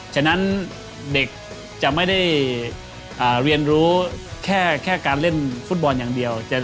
ฉะนั้นเด็กจะไม่ได้เรียนรู้แค่การเล่นฟุตบอลอย่างเดียว